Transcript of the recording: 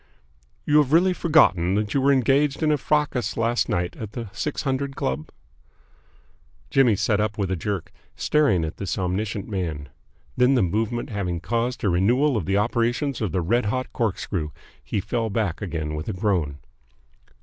"You have really forgotten that you were engaged in a fracas last night at the Six Hundred Club?" Jimmy sat up with a jerk, staring at this omniscient man. Then the movement having caused a renewal of the operations of the red hot corkscrew, he fell back again with a groan.